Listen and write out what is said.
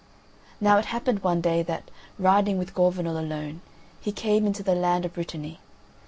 Now it happened one day that, riding with Gorvenal alone, he came into the land of Brittany.